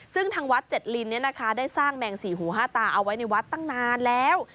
ซึ่งทางวัดเจ็ดลินได้สร้างแมงสี่หูห้าตาเอาไว้ในวัดตั้งนานแล้ว